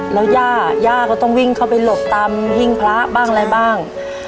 แล้วย่าย่าก็ต้องวิ่งเข้าไปหลบตามหิ้งพระบ้างอะไรบ้าง